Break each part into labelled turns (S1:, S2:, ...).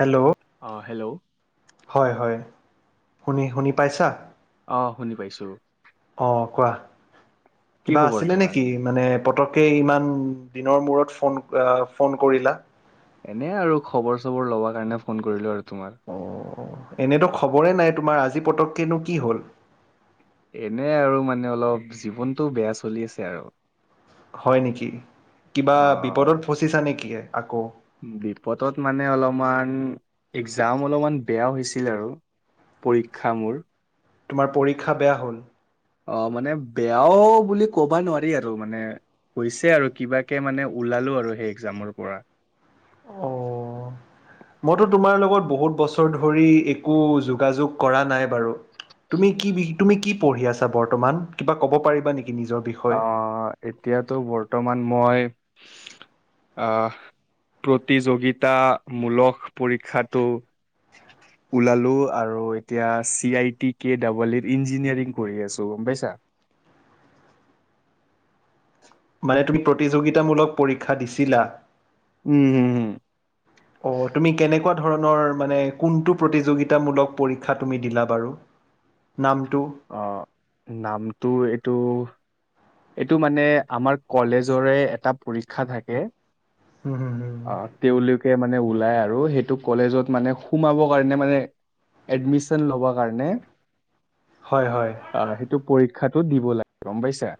S1: Hello?
S2: অ' hello?
S1: হয় হয় শুনি শুনি পাইছা?
S2: অ' শুনি পাইছোঁ।
S1: অ' কোৱা
S2: কি
S1: কিবা
S2: খবৰ
S1: আছিলে
S2: তোমাৰ
S1: নেকি? মানে পতককৈ ইমান দিনৰ মূৰত ফোন ফোন কৰিলা।
S2: এনে আৰু খবৰ চবৰ ল'ব কাৰণে ফোন কৰিলো আৰু তোমাক।
S1: অ' এনেতো খবৰে নাই তোমাৰ আজি পতককনো কি হ'ল?
S2: এনে আৰু মানে অলপ জীৱনটো বেয়া চলি আছে আৰু।
S1: হয় নেকি কিবা
S2: অ
S1: বিপদত ফচিছা নেকি আকৌ।
S2: বিপদত মানে অলপমান এক্জাম অলপমান বেয়া হৈছিল আৰু। পৰীক্ষা মোৰ।
S1: তোমাৰ পৰীক্ষা বেয়া হ'ল?
S2: অ' মানে বেয়াও বুলি ক'বা নোৱাৰি আৰু মানে হৈছে আৰু কিবাকে মানে ওলালো আৰু সেই এক্জামৰ পৰা।
S1: অ'। মইতো তোমাৰ লগত বহুত বছৰ ধৰি একো যোগাযোগ কৰা নাই বাৰু। তুমি কি তুমি কি পঢ়ি আছা্তমান কিবা ক'ব পাৰিবা নেকি নিজৰ বিষয়ে
S2: অঁ', এতিয়াতো বৰ্তমান মই আহ প্ৰতিযোগিতাামূলক পৰীক্ষাটো
S1: [inaudible]
S2: ওলালো আৰু এতিয়া C I T K double E engineering কৰি আছো গম পাইছা। [inaudible]
S1: মানে তুমি প্ৰতিযোগিতামূলক পৰীক্ষা দিছিলা।
S2: উম, হুম হুম।
S1: [inaudible] অ', তুমি কেনেকুৱা ধৰণৰ মানে কোনটো প্ৰতিযোগিতামূলক পৰীক্ষা তুমি দিলা বাৰু? নামটো?
S2: অ', নামটো এইটো এইটো মানে আমাৰ কলেজৰে এটা পৰীক্ষা থাকে।
S1: উম, হুম হুম।
S2: অ তেওঁলোকে মানে ওলাই আৰু সেইটো কলেজত মানে সোমাব কাৰণে মানে এডমিচন লবৰ কাৰণে
S1: হয় হয়।
S2: অ', সেইটো পৰীক্ষাটো দিব লাগিব গম পাইছা।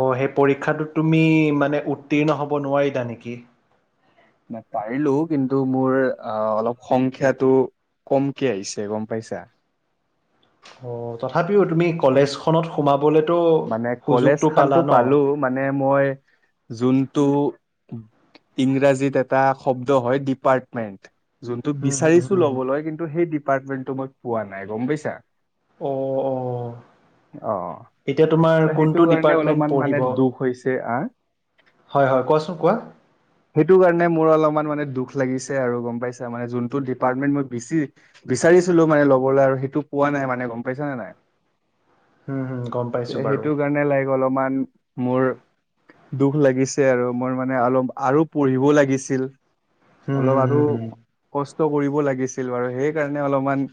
S1: অ', সেই পৰীক্ষাটো তুমি মানে উত্তীৰ্ণ হ'ব নোৱাৰিলা নেকি?
S2: নাই পাৰিলো কিন্তু মোৰ অ অলপ সংখ্যাটো কমকে আহিছে গম পাইছা।
S1: অ', তথাপিও তুমি কলেজখনত সোমাবলেতো
S2: মানে কলেজ
S1: সুযোগতটো
S2: খানতো
S1: পালা ন?
S2: পালো মানে মই যোনটো ইংৰাজীত এটা শব্দ হয় ডিপাৰ্টমেণ্ট। যোনটো
S1: হম হম
S2: বিচাৰিছো
S1: হম
S2: ল'বলৈ কিন্তু সেই ডিপাৰ্টমেণ্টটো মই পোৱা নাই গম পাইছা।
S1: অ' অ'
S2: আহ।
S1: এতিয়া তোমাৰ
S2: ত সেইটো
S1: কোনটো
S2: কাৰণে
S1: ডিপাৰ্টমেণ্ট
S2: অলপমান
S1: পঢ়িব?
S2: মানে দুখ হৈছে আহ
S1: হয় হয় কোৱাচোন কোৱা।
S2: সেইটো কাৰণে মোৰ অলপমান মানে দুখ লাগিছে আৰু গম পাইছা মানে যোনটো ডিপাৰ্টমেন্ট মই বেছি বিচাৰিছিলো মানে ল'বলৈ আৰু সেইটো পোৱা নাই মানে গম পাইছা নে নাই।
S1: উম, হুম গম পাইছোঁ বাৰু।
S2: সেইটো কাৰণে লাইক অলপমান মোৰ দুখ লাগিছে আৰু মোৰ মানে অলপ আৰু পঢ়িবও লাগিছিল।
S1: হম
S2: অলপ
S1: হম
S2: আৰু
S1: হম
S2: কষ্ট কৰিব লাগিছিল বাৰু সেইকাৰণে অলপমান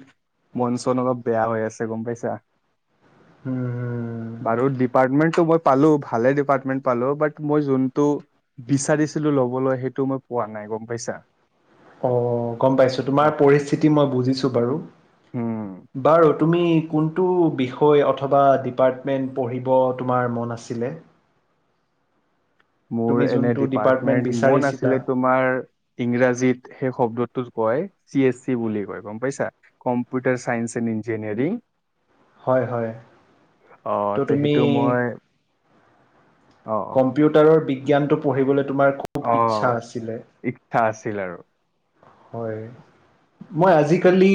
S2: মন চন অলপ বেয়া হৈ আছে গম পাইছা।
S1: উম, হুম।
S2: বাৰু ডিপাৰ্টমেন্টটো মই পালো ভালে ডিপাৰ্টমেন্ট পালো বাট মই যোনটো বিচাৰিছিলো লবলৈ সেইটো মই পোৱা নাই গম পাইছা।
S1: অ', গম পাইছো তোমাৰ
S2: অ
S1: পৰিস্থিতি মই বুজিছোঁ বাৰু।
S2: উম
S1: বাৰু তুমি কোনটো বিষয় অথবা ডিপাৰ্টমেণ্ট পঢ়িব তোমাৰ মন আছিলে?
S2: মোৰ
S1: তুমি
S2: এনে
S1: যোনটো ডিপাৰ্টমেণ্ট
S2: ডিপাৰ্টমেন্ট মন
S1: বিচাৰিছিলা
S2: আছিলে তোমাৰ ইংৰাজীত সেই শব্দটো কয় চি এছ চি বুলি কয় গম পাইছা। Computer science and engineering.
S1: হয় হয়।
S2: অহ
S1: ত'
S2: তে
S1: তুমি
S2: সেইটো মই অ'।
S1: কম্পিউটাৰৰ বিজ্ঞানটো পঢ়িবলৈ তোমাৰ খুব ইচ্ছা
S2: অ',
S1: আছিলে।
S2: ইচ্ছা আছিল আৰু।
S1: হয়। মই আজিকালি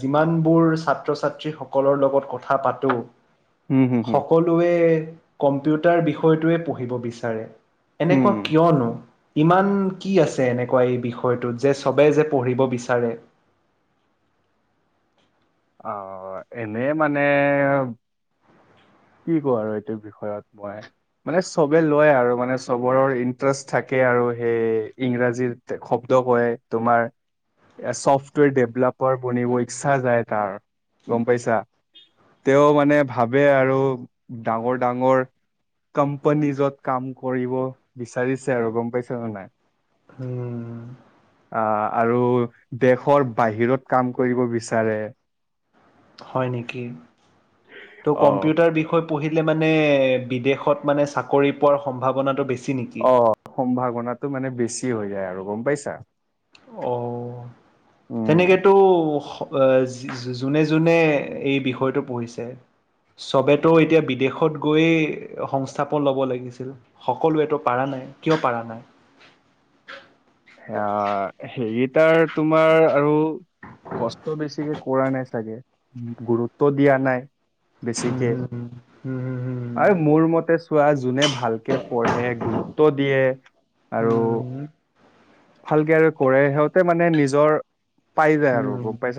S1: যিমানবোৰ ছাত্ৰ ছাত্ৰী সকলৰ লগত কথা পাতো।
S2: হম হম
S1: [inaudible]
S2: হম
S1: সকলোৱে কম্পিউটাৰ বিষয়টোৱে পঢ়িব বিচাৰে
S2: হম
S1: এনেকুৱা কিয়নো ইমান কি আছে এনেকুৱা এই বিষয়টোত যে ছবে যে পঢ়িব বিচাৰে।
S2: অ', এনেই মানে কি কওঁ আৰু এইটো বিষয়ত মই। মানে চবে লয় আৰু মানে চবৰৰ ইণ্টাৰেষ্ট থাকে আৰু সেই ইংৰাজীৰ শব্দ কয় তোমাৰ চফ্টৱেৰ ডেভলপাৰ বনিব ইচ্ছা যায়। কাৰণ গম পাইছা। তেওঁ মানে ভাবে আৰু ডাঙৰ ডাঙৰ কোম্পানীযত কাম কৰিব বিচাৰিছে আৰু গম পাইছে ন নাই।
S1: উম।
S2: অ', আৰু দেশৰ বাহিৰত কাম কৰিব বিচাৰে।
S1: হয় নেকি? ত'
S2: অ
S1: কম্পিউটাৰ বিষয়ে পঢ়িলে মানে বিদেশত মানে চাকৰি পোৱাৰ সম্ভাৱনাটো বেছি নেকি?
S2: অ', সম্ভাৱনাটো মানে বেছি হৈ যায় আৰু গম পাইছা।
S1: অ'।
S2: উম
S1: তেনেকেতো যোনে যোনে এই বিষয়টো পঢ়িছে। চবেতো এতিয়া বিদেশত গৈয়ে সংস্থাপন ল'ব লাগিছিল। সকলোৱেটো পাৰা নাই কিয় পাৰা নাই?
S2: অ', সেই কিতাৰ তোমাৰ আৰু কষ্ট বেছিকে কৰা নাই চাগে। গুৰুত্ব দিয়া নাই বেছিকে আৰু মোৰ মতে চোৱা যোনে ভালকে পঢ়ে গুৰুত্ব দিয়ে আৰু ভালকে আৰু কৰে সিহঁতে মানে নিজৰ পাই যায় আৰু গম পাই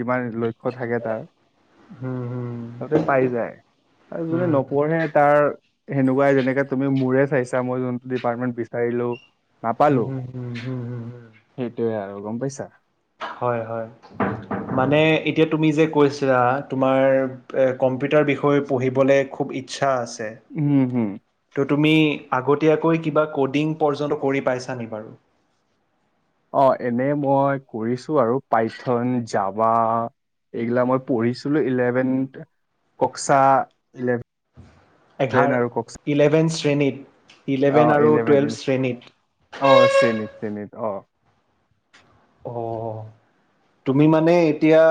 S2: যিমান লক্ষ্য থাকে তাৰ তাতে পাই যায়। আৰু যোনে নপঢ়ে তাৰ সেনেকুৱাই যেনেকে তুমি মোৰে চাইছা মই যোনটো ডিপাৰ্টমেন্ট বিচাৰিলো নাপালো।
S1: উম, হম, হম, হম।
S2: সেইটোৱে আৰু গম পাইছা।
S1: হয়, হয়। মানে এতিয়া তুমি যে কৈছা তোমাৰ কম্পিউটাৰ বিষয়ে পঢ়িবলৈ খুব ইচ্ছা আছে।
S2: উম, হম।
S1: ত' তুমি আগতীয়াকৈ কিবা ক'ডিং পৰ্যন্ত কৰি পাইছানে বাৰু?
S2: অ', এনে মই কৰিছো আৰু পাইথন যাবা। এইগিলাক মই পঢ়িছিলো ইলেভেন কক্সা ইলেভেন
S1: এঘাৰ
S2: আৰু কক্সা
S1: ইলেভেন শ্ৰেণীত ইলেভেন আৰু টুৱেলভ শ্ৰেণীত।
S2: অ', শ্ৰেণীত অ'।
S1: অ',। তুমি মানে এতিয়া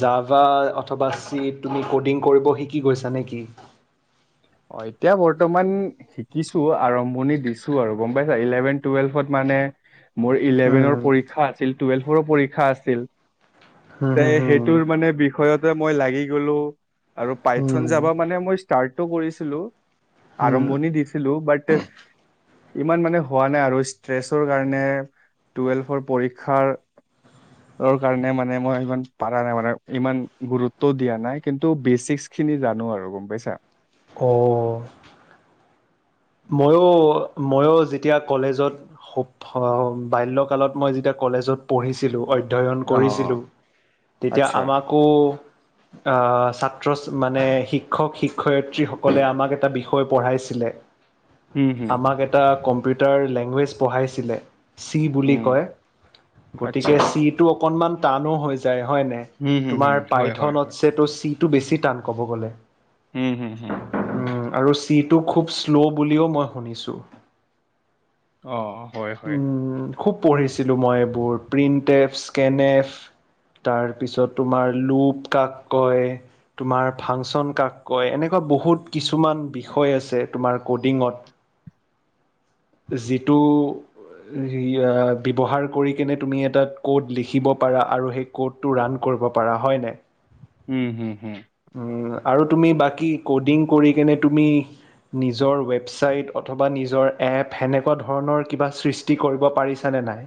S1: জাবা অথবা চি তুমি কডিং কৰিব শিক কি কৰিছা নে কি?
S2: অ', এতিয়া বৰ্তমান শিকিছো আৰম্ভণি দিছো আৰু গম পাইছা ইলেভেন টুৱেল্ভত মানে মোৰ ইলেভেনৰ
S1: উম,
S2: পৰীক্ষা আছিল টুৱেলভৰো পৰীক্ষা আছিল।
S1: হুম,
S2: তে
S1: হুম, হুম,
S2: সেইটোৰ মানে বিষয়তে মই লাগি গ'লো। আৰু পাইথন
S1: হুম,
S2: জাবা মানে মই ষ্টাৰ্টটো কৰিছিলো।
S1: হুম।
S2: আৰম্ভণি দিছিলো বাত ইমান মানে হোৱা নাই আৰু ষ্ট্ৰেছৰ কাৰণে টুৱেলভৰ পৰীক্ষাৰ
S1: [inaudible]
S2: কাৰণে মানে মই ইমান পাৰা নাই মানে ইমান গুৰুত্ব দিয়া নাই। কিন্তু বেছিক খিনি জানো আৰু গম পাইছা।
S1: [inaudible] [inaudible] ময়ো ময়ো যেতিয়া কলেজত বাল্যকালত মই যেতিয়া কলেজত পঢ়িছিলো অধ্যয়ন
S2: অ অ
S1: কৰিছিলোঁ তেতিয়া
S2: আচ্ছা
S1: আমাকো অ', ছাত্ৰ মানে শিক্ষক শিক্ষয়িত্ৰীসকলে আমাক এটা বিষয় পঢ়াইছিলে
S2: উম হুম
S1: আমাক এটা কম্পিউটাৰ লেংগুৱেজ পঢ়াইছিলে চি বুলি
S2: উম
S1: কয়
S2: আচ্ছা
S1: গতিকে চি টো অকনমান টানো হৈ যায় হয় নাই।
S2: উম হুম হুম
S1: তোমাৰ
S2: হয় হয় হয়
S1: পাইথনতছে তো চিটো বেছি টান কব গ'লে।
S2: হুম হুম হুম।
S1: আৰু চিটো খুব শ্ল' বুলিও মই শুনিছোঁ
S2: অ', হয় হয়।
S1: উম, খুব পঢ়িছিলোঁ মই এইবোৰ প্ৰিণ্ট এফ স্কেনএফ তাৰপিছত তোমাৰ লোপ কাক কয় তোমাৰ ফাংচন কাক কয় এনেকুৱা বহুত কিছুমান বিষয় আছে তোমাৰ ক'ডিঙত যিটো ব্যৱহাৰ কৰি কেনে তুমি এটা ক'ড লিখিব পাৰা আৰু সেই ক'টো ৰাণ কৰিব পাৰা হয়নে
S2: উম হুম হুম।
S1: আৰু তুমি বাকী ক'ডিং কৰি কিনে তুমি নিজৰ ৱেবছাইট অথবা নিজৰ এপ সেনেকুৱা ধৰণৰ কিবা সৃষ্টি কৰিব পাৰিছানে নাই?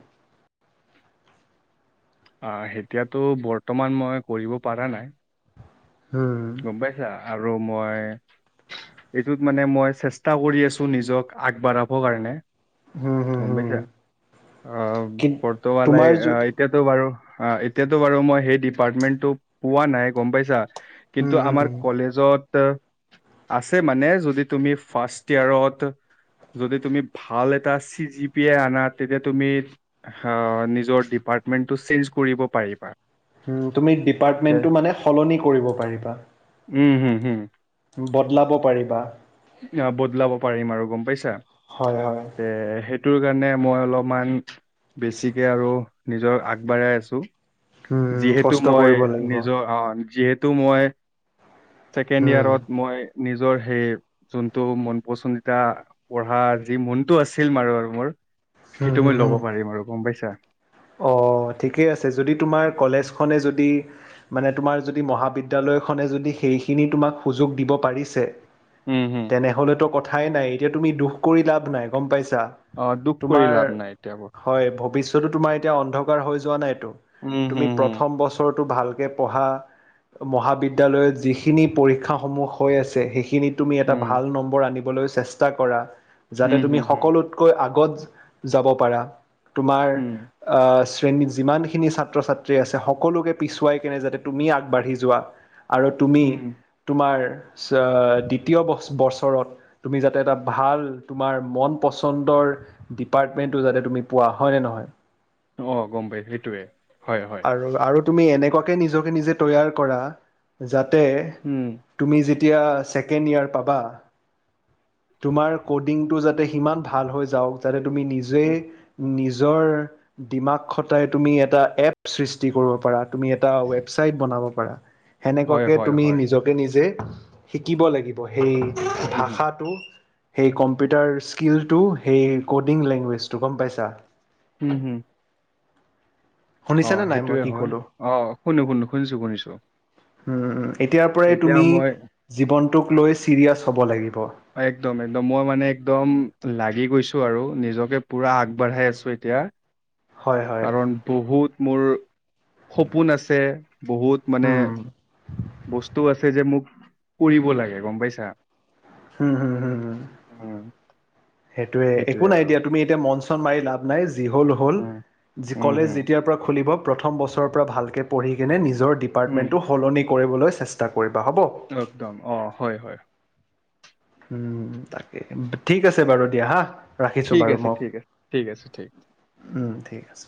S2: অ', এতিয়াতো বৰ্তমান মই কৰিব পাৰা নাই।
S1: উম।
S2: গম পাইছা আৰু মই এইটোত মানে মই চেষ্টা কৰি আছো নিজক আগবাঢ়াব কাৰণে
S1: হুম, হুম,
S2: গম
S1: হুম,
S2: পাইছা অ',
S1: কি
S2: [unintelligible]
S1: তোমাৰ য
S2: এতিয়াতো বাৰু অ এতিয়াতো বাৰু মই সেই ডিপাৰ্টমেন্টটো পোৱা নাই গম পাইছা কিন্তু
S1: হুম, হুম,
S2: আমাৰ
S1: হুম।
S2: কলেজত আছে মানে যদি তুমি ফাৰ্ষ্ট ইয়েৰত যদি তুমি ভাল এটা চি জি পি এ আনা তেতিয়া তুমি নিজৰ ডিপাৰ্টমেন্টটো চেঞ্জ কৰিব পাৰিবা
S1: তুমি
S2: তে
S1: ডিপাৰ্টমেণ্টটো মানে সলনি কৰিব পাৰিবা।
S2: উম হুম হুম।
S1: বদলাব পাৰিবা।
S2: বদলাব পাৰিম আৰু গম পাইছা
S1: হয়, হয়।
S2: তে সেই সটোৰ কাৰণে মই অলপমান বেছিকে আৰু নিজৰ আগবাঢ়াই আছো
S1: উম,
S2: যিহেতু
S1: কষ্ট কৰিব
S2: মই
S1: লাগিব।
S2: নিজৰ অ', যিহেতু মই ছেকেণ্ড
S1: উম,
S2: ইয়াৰত মই নিজৰ সেই যোনটো মন পচন্দিতা পঢ়া যি মনতটো আছিল মাৰ আৰু মোৰ
S1: হুম,
S2: সেইটো
S1: হুম,
S2: মই ল'ব
S1: হুম।
S2: পাৰিম আৰু গম পাইছা
S1: অ', ঠিকেই আছে যদি তোমাৰ কলেজখনে যদি মানে তোমাৰ যদি মহাবিদ্যালয়খনে যদি সেইখিনি তোমাক সুযোগ দিব পাৰিছে
S2: উম হুম
S1: তেনেহলেতো কথাই নাই এতিয়া তুমি দুখ কৰি লাভ নাই গম পাইছা
S2: অ', দুখ কৰি
S1: তোমাৰ
S2: লাভ নাই এতিয়াবোৰ
S1: হয় ভৱিষ্যতো তোমাৰ এতিয়া অন্ধকাৰ হৈ যোৱা নাইতটো
S2: উম
S1: তুমি
S2: হুম হুম
S1: প্ৰথম বছৰটো ভালকে পঢ়া মহাবিদ্যালয়ত যিখিনি পৰীক্ষাসমূহ হৈ আছে সেইখিনিত তুমি এটা
S2: উম
S1: ভাল নম্বৰ আনিবলৈ চেষ্টা কৰা যাতে
S2: হুম
S1: তুমি
S2: হুম হুম
S1: সকলতকৈ কৈ আগত যাব পাৰা তোমাৰ
S2: উম
S1: শ্ৰেণীত যিমানখিনি ছাত্ৰ ছাত্ৰী আছে সকলোকে পিছুৱাই কেনে যাতে তুমি আগবাঢ়ি যোৱা। আৰু তুমি
S2: উম
S1: তোমাৰ দ্বিতীয় বছৰত তুমি যাতে এটা ভাল তোমাৰ মন পচন্দৰ ডিপাৰ্টমেণ্টটো যাতে তুমি পোৱা হয় নে নহয়
S2: অঁ গম পায় সেইটোৱে হয় হয়
S1: আৰু আৰু তুমি এনেকুৱাকৈ নিজকে নিজে তৈয়াৰ কৰা যাতে
S2: উম
S1: তুমি যেতিয়া ছেকেণ্ড ইয়োৰ পাবা তোমাৰ ক'ডিংটো যাতে সিমান ভাল হৈ যাওক যাতে তুমি নিজেই
S2: উম,
S1: নিজৰ দিমাক খটাই তুমি এটা এপ সৃষ্টি কৰিব পাৰা তুমি এটা ৱেবচাইট বনাব পাৰা
S2: হয়
S1: সেনেকুৱাকৈ
S2: হয়
S1: তুমি
S2: হয়
S1: নিজকে নিজে শিকিব লাগিব সেই
S2: উম হুম
S1: ভাষাটো সেই কম্পিউটাৰ স্কিলটো সেই ক'ডিং লেংগুৱেজটো গম পাইছা
S2: হম হুম অ
S1: শুনিছানে নাই মই
S2: সেইটোয়ে
S1: কি
S2: হয়
S1: ক'লো
S2: অ শুনো শুনো শুনিছো শুনিছো
S1: উম এতিয়াৰ পৰাই
S2: এতিয়া
S1: তুমি
S2: মই
S1: জীৱনটোক লৈ চিৰিয়াছ হব লাগিব
S2: একদম একদম মই মানে একদম লাগি গৈছোঁ আৰু নিজকে পূৰা আগবাঢ়াই আছোঁ এতিয়া
S1: হয় হয়
S2: কাৰণ বহুত মোৰ সপোন আছে বহুত মানে
S1: উম
S2: বস্তু আছে যে মোক কৰিব লাগে গম পাইছা
S1: হম হুম হুম হ
S2: উম,
S1: সেইটোয়ে একো
S2: সেইটোৱে
S1: নাই
S2: আৰু
S1: দিয়া তুমি এতিয়া মন চন মাৰি লাভ নাই যি হ'ল হ'ল
S2: উম উম,
S1: কলেজ
S2: হম
S1: যেতিয়াৰ পৰা খুলিব প্ৰথম বছৰৰ পৰা ভালকৈ পঢ়ি কিনে নিজৰ
S2: উম,
S1: ডিপাৰ্টমেণ্টটো সলনি কৰিবলৈ চেষ্টা কৰিবা হ'ব
S2: একদম অ হয় হয়
S1: উম তাকে ঠিক আছে বাৰু দিয়া হা ৰাখিছোঁ
S2: ঠিক
S1: বাৰু
S2: আছে
S1: মোক
S2: ঠিক আছে ঠিক আছে ঠিক
S1: ঠিক আছে